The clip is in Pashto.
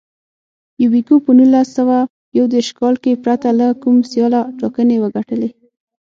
یوبیکو په نولس سوه یو دېرش کال کې پرته له کوم سیاله ټاکنې وګټلې.